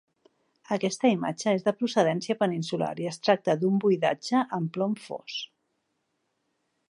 Aquesta imatge és de procedència peninsular i es tracta d'un buidatge en plom fos.